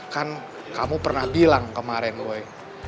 kan kamu pernah bilang kemarin way